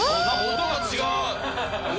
音が違う！